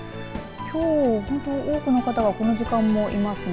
きょう本当に多くの方がこの時間もいますね。